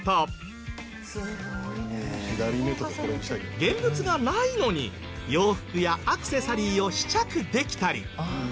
現物がないのに洋服やアクセサリーを試着できたり。